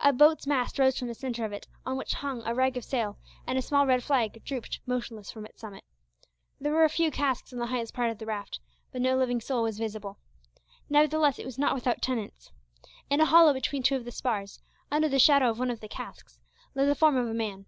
A boat's mast rose from the centre of it, on which hung a rag of sail, and a small red flag drooped motionless from its summit. There were a few casks on the highest part of the raft, but no living soul was visible. Nevertheless, it was not without tenants. In a hollow between two of the spars, under the shadow of one of the casks, lay the form of a man.